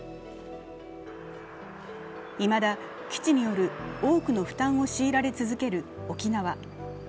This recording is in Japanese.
いまだ基地による多くの負担を強いられ続ける沖縄。